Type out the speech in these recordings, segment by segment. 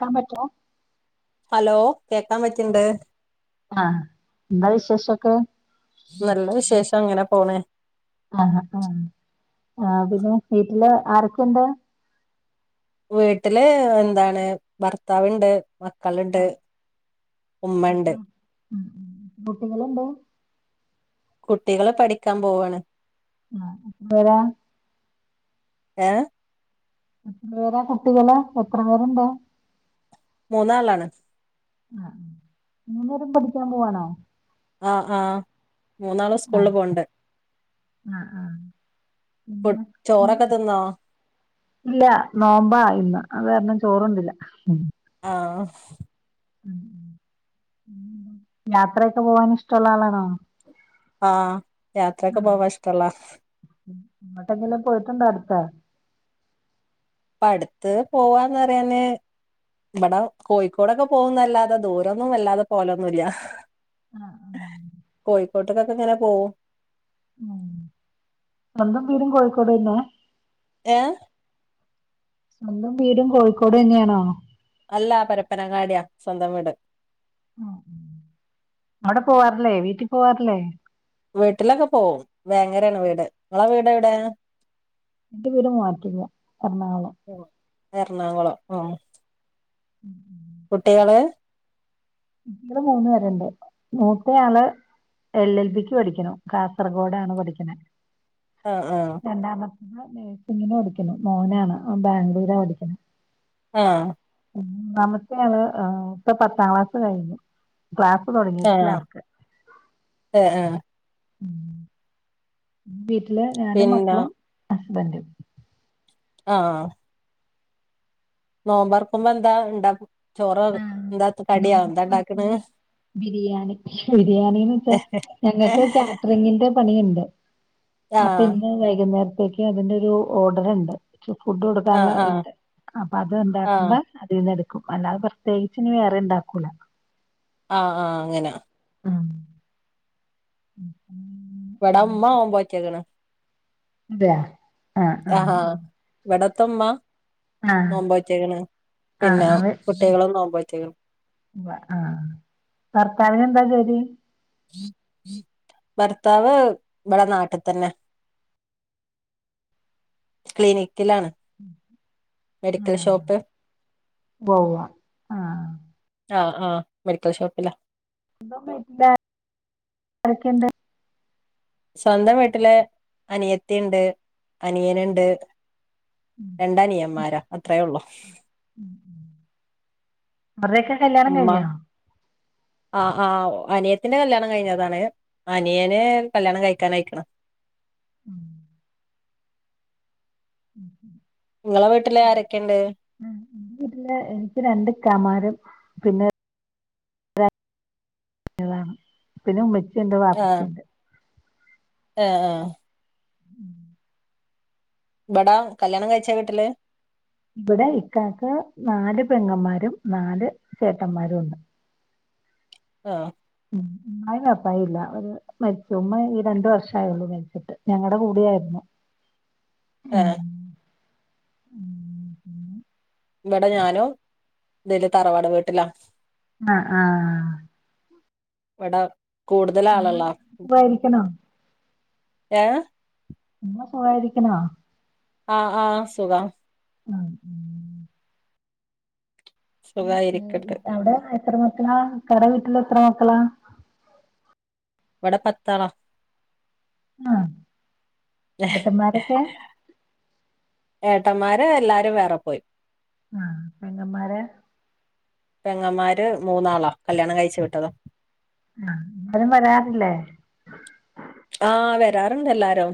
ക്കാൻ പറ്റോ ഹലോ കേക്കാൻ പറ്റിണ്ട് ആഹ എന്താ വിശേഷംക്കെ നല്ല വിശേഷം അങ്ങനെ പോണ ആഹ ആഹ ആഹ പിന്നെ വീട്ടില് ആരൊക്കെണ്ട് വീട്ടില് എന്താണ് ഭർത്താവ്ണ്ട് മക്കളുണ്ട് ആഹ് എത്ര ഉമ്മുണ്ട് ഉം കുട്ടികളുണ്ടൊ കുട്ടികളെ പഠിക്കാൻ പോവയാണ് ആഹ അപ്പരാ ഏഹ എത്ര പേരാ കുട്ടികള് എത്ര പേരുണ്ട് മൂന്നാളാണ് ആഹ മുന്നേരം പഠിക്കാൻ പോവാണോ ആഹ ആഹ മൂന്നാളും ആഹ് സ്കൂളിൽ പോണ്ട് ആഹ് ആഹ് പിന്നെ ഉം ചോറൊക്കെ തിന്നോ? ഇല്ല നോമ്പാ ഇന്ന് അത് കാരണം ചോറതിന്നില്ല ആഹ ഉം യാത്രയൊക്കെ പോവാൻ ഇഷ്ടമുള്ള ആളാണോ ആഹ യാത്രക്കെ പോവാ ഇഷ്ടല്ല ങ്ങോട്ടെങ്കിലും പോയിട്ടുണ്ടോ അടുത്ത പ്പ അടുത്ത് പോവാന്ന്റിയാന് ഇവിടെ കോഴിക്കോടൊക്കെ പോകുന്നല്ലാതെ ദൂരന്നും വല്ലാതെ പോലൊന്നുല്ല ആഹ് ഉം കോഴിക്കോട്ടേക്കൊക്കെ ഇങ്ങനെ പോകും ഉം സ്വന്തും വീടും കോഴിക്കോട് തന്നെ ഏഹ് സ്വന്തം വീടും കോഴിക്കോട് തന്നെയാണോ അല്ലാ പരപ്പനങ്ങാടിയ സ്വന്തം വീട് ഉം അവിടെ പോവാറില്ലേ വീട്ടിൽ പോവാറില്ലേ വീട്ടിലൊക്കെ പോവും വേങ്ങരയാണ് വീട് നിങ്ങളെ വീട് എവിടെ എന്റെ വീട് മൂവാറ്റുപുഴ എറണാകുളം ആഹ് എറണാകുളം ആഹ് ഉം ഉം കുട്ടികള് കുട്ടികള് മൂന്ന് പേരുണ്ട് മൂത്ത ആള് എൽ എൽ പിക്ക് പഠിക്ക് ണു കാസർഗോഡ ആണ് പഠിക്കണ ആഹ് ആഹ് രണ്ടാമത്തെ നഴ്സിങ്ങിന് പഠിക്കുന്നു മോനാണ് ഓൻ ബാംഗ്ലൂരപഠിക്കുന്നത് ആഹ് മൂന്നാമത്തെ ആള് ഇപ്പ പത്താം ക്ലാസ് കഴിഞ്ഞു ക്ലാസ് തുടങ്ങിയിട്ടില്ല അവർക്ക് ഏഹ് ഏഹ് വീട്ടില് ഞാനും പിന്നെ മക്കളും ഹസ്ബൻ്റും ആഹ് നോമ്പർക്കുമ്പോ എന്താ ഇണ്ടാക്ക ചോറാണ് കടിയോ നോമ്പ് എന്താ ണ്ടാക്ക്ണേ തുറക്കുന്ന ബിരിയാണി ബിരിയാണിന്ന് വെച്ചാ ഞങ്ങൾക്ക് കാറ്ററിങ്ങിന്റെ പണിയ്ണ്ട് ആ അപ്പൊ ഇന്ന് വൈകുന്നേരത്തേക്ക് അതിന്റെ ഒരു ഓർഡർ ഇണ്ട് ച്ച് ഫുഡ് ആ കൊടുക്കാൻള്ള ആ ഇണ്ട് അപ്പൊ അത് ആ ഇണ്ടാക്കുമ്പോ അതിൽന്ന് എടുക്കും അല്ലാതെ പ്രത്യേകിച്ച് ഇന്ന് വേറെ ഇണ്ടാക്കൂല ആഹ് ആഹ് അങ്ങന ആഹ് ഇവടെ ഉമ്മ നോമ്പോറ്റക്ക്ണ് അതെയോ ആഹ് ആഹ് ഇവട്ത്തെ ഉമ്മ ആഹ് നോമ്പോറ്റ്ക്ക്ണ് ആഹ് പിന്നെ ട്ടികളും നോമ്പോറ്റ്ക്ക്ണ് വ ആഹ് ഭർത്താവിന് എന്താ ജോലി ഭർത്താവ് ഇവടെ നാട്ട് തന്നെ ക്ലിനിക്കിലാണ് മെഡിക്കൽ ഷോപ്പ് ബോ വ്വാ ആഹ് ആഹ് മെഡിക്കൽ ഷോപ്പിലാ സ്വന്തം വീട്ടില് ആരൊക്കെയ്ണ്ട് സ്വന്തം വീട്ടില് അനിയത്തി ഇണ്ട് അനിയന്ണ്ട് രണ്ടനിയന്മാരാ അത്രയേ ഉള്ളൂ അവര്ടെയൊക്കെ കല്യാണം കഴിഞ്ഞോ ആഹ് ആഹ് അനിയത്തിന്റെ കല്യാണം കഴിഞ്ഞതാണ് അനിയന് കല്യാണം കഴിക്കാൻ ആയിക്ക്ണ് ഉം ഉം ഇങ്ങളെ വീട്ട്ല് ആരൊക്കെണ്ട് ആഹ് ഇന്റെ വീട്ട്ല് എനിക്ക് രണ്ട് ഇക്കാമാരും പിന്നെ ളാണ് പിന്ന ഉമ്മച്ചിണ്ട് വാപ്പച്ചിണ്ട് ഏഹ് ഉം ഇവടാ കല്യാണം കഴിച്ച വീട്ടില് ഇവടെ ഇക്കാക്ക് നാല് പെങ്ങന്മാരും നാല് ചേട്ടന്മാരുംണ്ട് ആഹ് ഉം ഉമ്മായും വാപ്പായും ഇല്ല ഓല് മരിച്ചു ഉമ്മ ഈ രണ്ട് വർഷം ആയൊള്ളൂ മര്ച്ചിട്ട് ഞങ്ങടെ കൂടെയായ്ർന്നു ആഹ് ഉം. ഇവടെ ഞാനും ഇവലെ തറവാട് വീട്ടിലാ ആഹ് ആഹ് ഇവടെ കൂടുതല് ഉമ്മ ആളല്ലാ സുഖായിരിക്കണോ ഏഹ് ഉമ്മ സുഖായിരിക്ക്ണോ ആഹ് ആഹ് സുഖാണ് ആ ആഹ് ഉം സുഖായിരിക്കട്ട് അവടെ എത്ര മക്കളാ ഇക്കാടെ വീട്ടില് എത്ര മക്കളാ ഇവടെ പത്താളാ ആഹ് ഏട്ടന്മാരൊക്കെ ഏട്ടന്മാരെല്ലാരും വേറെ പോയി ആഹ് പെങ്ങമാര് പെങ്ങമാര് മൂന്നാളാ കല്യാണം കഴിച്ചു വിട്ടതാ ആഹ് ആരും വരാറില്ലേ ആഹ് വരാറ്ണ്ട് എല്ലാരും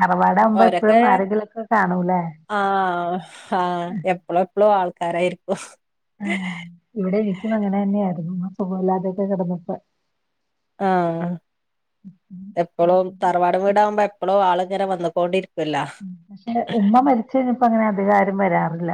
തറവാടാവുമ്പൊ ഓരൊക്കെ എപ്പഴും ആരെങ്കിലൊക്ക കാണൂലെ ആഹ് ആഹ് എപ്പളും എപ്പളും ആൾക്കാരായിരിക്കും ഇവടെ എനിക്കും അങ്ങനെന്നേയായിരുന്നു ഉമ്മ സുഖവില്ലാതെയൊക്ക കെടന്നപ്പൊ ആഹ് ഉം. ഉം. എപ്പളും അതെ. തറവാട് വീടാവുമ്പൊ എപ്പളും ആള്ങ്ങനെ വന്നുകോണ്ടിരി പഷെ ഉമ്മ മരിച്ച്ഴ്ഞ്ഞപ്പൊ അങ്ങനെ അധികാരും വരാറില്ല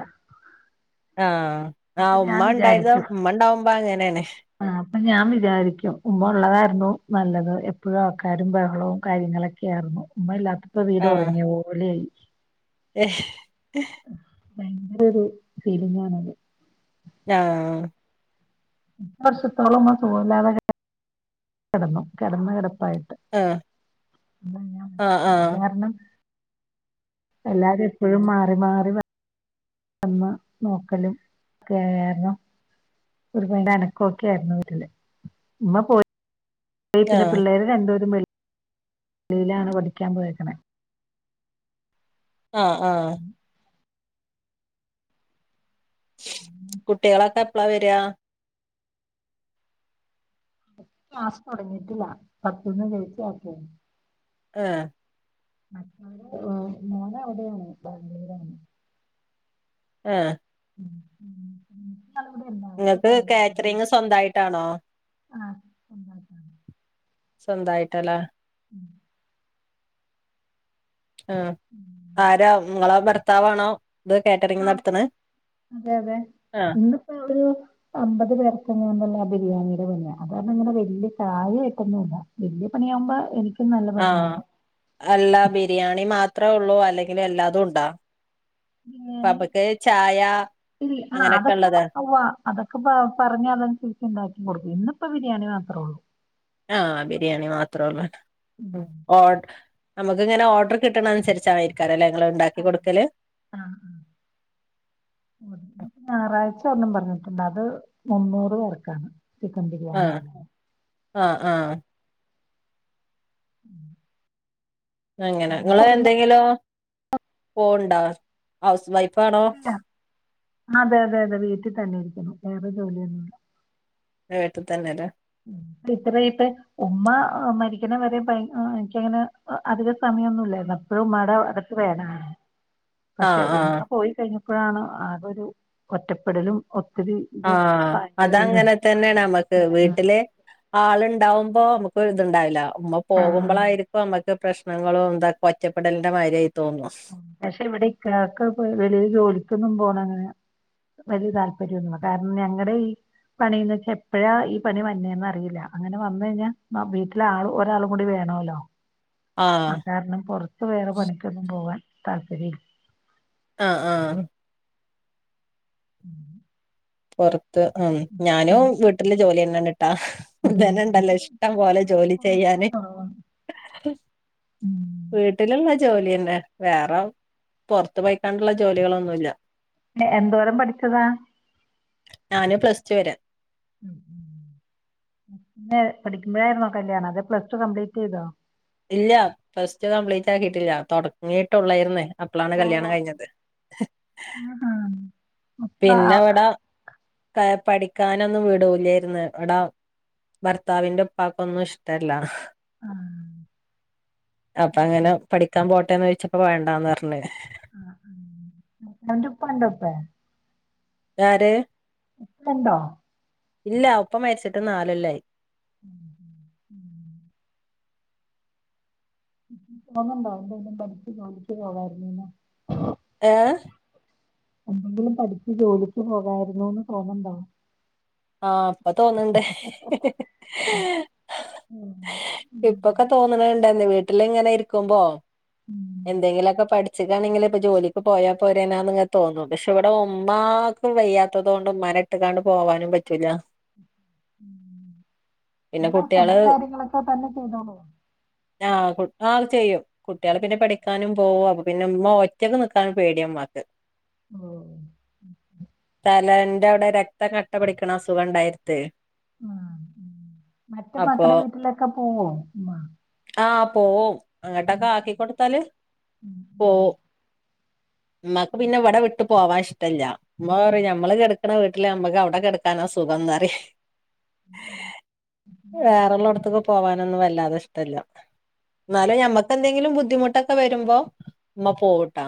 ആഹ് അപ്പൊ ആഹ് ഞാൻ ഉമ്മ ഇണ്ടായ്ർന്ന ഉമ്മ ഇണ്ടാവുമ്പൊ അങ്ങനേണ് ആഹ് അപ്പൊ ഞാൻ വിചാരിക്കും ഉമ്മ ഒള്ളതായിരുന്നു നല്ലത് എപ്പഴും ആൾക്കാരും ബഹളൊം കാര്യങ്ങളൊ യാർന്നു ഉമ്മ ഇല്ലാത്തപ്പൊ വീട് ഒറ്ങ്ങി പോലായി എശ് ഭയങ്കര ഒരു ഫീലിംഗാണത് ഞാഹ് വർഷത്തോളുമ്മ സുഖവില്ലാതെ കെ കെടന്നു കെടന്ന കെടപ്പായിട്ട് ആഹ് [unintelligible] ആഹ് ആഹ് കാര്ണം എല്ലാരും എപ്പഴും മാറി മാറി വന്ന് നോക്കലും ഒക്കെയായാർന്നു ഒരുപാട് അനക്കൊക്കായാർന്നു വീട്ടില് ഉമ്മ പോയി പിന്നെ ആഹ് പിള്ളാര് രണ്ടുപേരും വെളി വെളിയിലാണ് പഠിക്കാൻ പോയേക്ക്ണെ ആഹ് ആഹ് കുട്ടീളൊക്ക എപ്പ്ളാ വര്യാ ക്ലാസ്സ്‌ തൊട്ങ്ങീട്ടില്ല പത്ത്ന്ന് ജയിച്ചാക്കെ ആഹ് മറ്റോര് ഓഹ് മോനവടേണ് ബാംഗ്ലൂരാണ് ആഹ് ഉം ഉം ഇങ്ങക്ക് കാറ്ററിങ്ങ് സ്വന്തയിട്ടാണോ ആഹ് സ്വന്തമായിട്ടല്ല [unintelligible] ആഹ് [unintelligible] ആരാ ഇങ്ങളെ ഭർത്താവാണോ ഇത് കേട്ട ആഹ് അതെ അതെ ആഹ് ഇന്നിപ്പോ ഒരു അമ്പത് പേർക്കെങ്ങാണ്ടുള്ള ബിരിയാണിയുടെ പണിയ അതാരണം അങ്ങനെ വലിയ കാര്യയായിട്ടൊന്നുമില്ല വലിയ പണിയാകുമ്പോ എനി ആഹ് അല്ല ബിരിയാണി മാത്രേ ഉള്ളൂ അല്ലെങ്കിൽ എല്ലാതും ഉണ്ടാ ബിരിയാണി ഇപ്പമുക്ക് ചായ ഇല്ല ആ അതൊക്കെ അങ്ങനെയൊക്കെയുള്ളതാ ഉവ്വ അതൊക്കെ പറഞ്ഞാ അതനുസരിച്ച് ഉണ്ടാക്കി കൊടുക്കും ഇന്നിപ്പോ ബിരിയാണി മാത്രേ ഉള്ളൂ ആഹ് ബിരിയാണി മാത്രമുള്ളൂ ഉം ഓ നമുക്ക് ഇങ്ങനെ ഓർഡർ കിട്ടണ അനുസരിച്ചായിരിക്കാരല്ലേ ഇങ്ങള് ഉണ്ടാക്കി കൊടുക്കല് ആഹ് [unintelligible] ഞായറാഴ്ച ഒന്നും പറഞ്ഞിട്ടുണ്ട് അത് മുന്നൂറ് പേർക്കാ ചിക്കൻ ബിരിയാണ് ആഹ് പറഞ്ഞ് ആഹ് ആഹ് അങ്ങനെ നിങ്ങള് അന്നേരം എന്തെങ്കിലും പോണ്ടോ ഹൗസ് വൈഫാണോ അതെ അതെ അതെ വീട്ടിൽ തന്നെ ഇരിക്കുന്നു വേറെ ജോലിയൊന്നുമില്ല വട്ടിൽ തന്നെല്ല [unintelligible] ഉമ്മ മരിക്കുന്ന വരെ ഭയ എനിക്കങ്ങനെ അധിക സമയമൊന്നുംല്ലല്ല ഇ മട അതൊക്കെ വേണാണ് [unintelligible] പക്ഷെ ആഹ് ഉമ്മ പോയി കഴിഞ്ഞപ്പോഴാണ് ആ കരു ഒറ്റപ്പെടലും ഒ, ആഹ് അതങ്ങനെ തന്നെയ നമ്മുക്ക് ആ, വീട്ടില് ആളുണ്ടാവുമ്പോ നമുക്ക് ഇത്ണ്ടാവില്ല ഉമ്മ ആ. പോകുമ്പോളായിരിക്കും നമ്മുക്ക് പ്രശ്നങ്ങളും തൊക്കെ ഒറ്റപ്പെടലിന്റെ മര്യായി തോന്നുന്നു ഉം. പക്ഷെ ഇവിടെക്കക്കെ വളിയൽ ജോലിക്കൊന്നും പോണം അങ്ങനെ വലിയ താല്പര്യംന്ന കാരണം ഞങ്ങളുടെ ഈ പണിന്ന് വെച്ചാ എപ്പോഴാ ഈ പണി വന്നേന്ന് അറിയില്ല അങ്ങനെ കഴിഞ്ഞാൽ വീട്ടില ആ ഒരാളും കൂടി വേണമല്ലോ [unintelligible] ആഹ് കാരണം പുറത്ത് വേറെ പണിക്കൊന്നും പോവാൻ താല്പര്യമില്ല ആഹ് ആഹ് ഉ [unintelligible] പുറത്ത് ഉ ഞാനും വീട്ടില് ജോലി തന്നണ്ട്ട്ടാ ഉം. എന്റെ ബധനുണ്ടല്ലോ ഇഷ്ടം വീട്ടില് പോലെ വരെ ജോലി പോക്ക് ചെയ്യാന് കുറവാണ് ഉം. വീട്ടിലുള്ള ജോലിന്നെ വേറെ പുൊറത്ത് പയിക്കാണ്ടുള്ള ജോലികളൊന്നുമല്ല എന്തോരം പഠിച്ചതാ ഞാന് പ്ലസ് ടു വരാ പഠിക്കുമ്പോഴായിുന്നോ കല്യാണം അതെ പ്ലസ് ടു കംപ്ലീറ്റ് ചെയ്തോ ഇല്ല പ്ലസ് ടു കംപ്ലീറ്റ് ആക്കിയിട്ടില്ല തുടങ്ങിയിട്ടുള്ളായിരുന്നേ അപ്പോളാണ് കല്യാണം കഴിഞ്ഞത് ഉ ആഹ് പിന്നെ ഇവിട പഠിക്കാനൊന്നും വിടലായിരുന്നു ഇവിടാ ഭർത്താവിന്റെ ഉപ്പക്ക്ന്നും ഇഷ്ടല്ല അപ്പൊ ആ. അങ്ങനെ പഠിക്കാൻ പോട്ടെന്ന് ചോിച്ചപ്പോ വേണ്ടാന്ന് പറഞ്ഞഞ് ആഹ് അവന്റെ ഉപ്പണ്ട് ഉപ്പേ ഇത് ആര്? ഇപ്പ യിണ്ടോ? ഇല്ല ഇപ്പ മരിച്ചിട്ട് നാല് കൊല്ലം ആയി. ഉം ഉം. തോന്നുന്നുണ്ടോ എന്തേലും പഠിച്ച് ജോലിക്ക് പോവായിരുന്നുയെന്ന്. ഏഹ്. എന്തെങ്കിലും പഠിച്ച് ജോലിക്ക് പോകായിരുന്നു എന്ന് തോന്നുണ്ടോ? ആഹ് ഇപ്പൊ തോന്നണ്ട് ഉം. ഉം. ഇപ്പൊ. ഇപ്പോ തോന്നുണുണ്ട് വീട്ടിൽ ഇങ്ങനെ ഇരിക്കുമ്പോ ഉം. എന്തെങ്കിലൊക്കെ പഠി ച്ച്ക്കാണെങ്കില് ഇപ്പോ ജോലിക്ക് പോയാപ്പോരേനാന്ന് ഇങ്ങ് തോന്നും പക്ഷെ ഇവിടെ ഉമ്മാക്ക് വയ്യാത്തതു കൊണ്ട് ഉമ്മാനെ ഇട്ട് ഇട്ടങ്ങാണ്ട് പോവാനും പറ്റൂല. പിന്നെ ഉമ്മ കുട്ട്യാള് സ്വന്തം കാര്യങ്ങളൊക്കെ തന്നെ ചെയ്തോളൂവോ? ആഹ് ആഹ് ചെയ്യും കുട്ടികള് ഉം. പിന്നെ പഠിക്കാനും പോവും അപ്പോ. പിന്നെ ഉമ്മ ഒറ്റക്ക് നിക്കാന് പേടിയ ഉമ്മാക്ക്. ഓഹ്. തലേന്റെ അവിടെ രക്തം കട്ട പിടിക്കണ അസുഖ ഉണ്ടായി അടുത്ത്. ആഹ് മറ്റേ അപ്പൊ മക്കടെ വീട്ടിലൊക്കെ പോവോ? ആഹ് പോവും ഉം. അങ്ങോട്ടൊക്കെ ആക്കിക്കൊടുത്താല് ഉം. പോവും. ഉം. ഉമ്മാക്ക് പിന്നെ ഇവിടെ വിട്ട് പോവാൻ ഇഷ്ട ഇല്ല ഉമ്മ പറയും ഞമ്മള് കിടക്കണ വീട്ടില് ഞമ്മക്ക് അവിടെ കിടക്ക ക്കാന സുഖം പറയും. വേറെ ഉള്ള ഉം. ഇടത്തേക്ക് പോവാനൊന്നും വല്ലാതെ ഇഷ് യില്ല്യാ എന്നാലും ഞമ്മക്ക് എന്തെങ്കിലും ബുദ്ധിമുട്ടൊക്കെ വരുമ്പോ ഉമ്മ പോകുട്ടോ.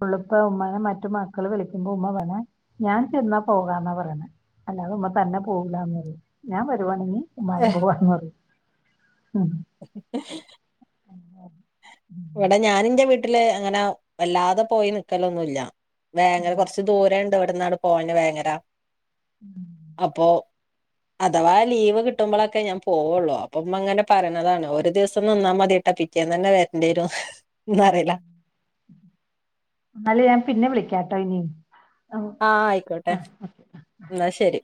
പള്ളിപ്പാ ഉമ്മ മറ്റു മക്കള് വിളിക്കുമ്പോ ഉമ്മ പറയണേ ഞാൻ ചെന്നാ പോകാന്നാ പറയണേ. അല്ലാതെ ഉമ്മ തന്നെ പോകൂലാ പറയും ഞാൻ വരുവാണെങ്കി [unintelligible] പറഞ്ഞ് കെട് ഉം. ഉം. ഇവിടെ ഞാന് എന്റെ വീട്ടില് അങ്ങനെ വല്ലാതെ പോയി നിക്കലൊന്നു ഇല്ലാ വേങ്ങര കൊറച്ച്. ദൂരം ഉണ്ട് ഇവിടുന്നാട് പോകാന് വേങ്ങര അപ്പൊ. അഥവാ ലീവ് കിട്ടുമ്പോളൊക്കെ ഞാൻ പോവുള്ളൂ അപ്പൊ ഉമ്മ അങ്ങനെ പറയണതാണ് ഒരു ദിവസം നിന്നാ മതിട്ടോ പി റ്റെന്ന് തന്നെ വരണ്ടി വരും ഹും പറയലാ. എന്നാല് ഞാൻ പിന്നെ വിളിക്കാട്ടോ ഇനി. ആഹ് ആയിക്കോട്ടെ യെന്നാ ശരി.